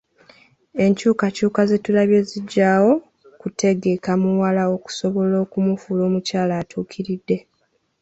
Enkyukakyuka ze tulabye zijjawo kutegeka muwala okusobola okumufuula omukyala atuukiridde.